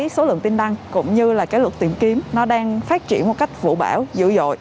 số lượng tin đăng cũng như luật tìm kiếm đang phát triển một cách vũ bảo dữ dội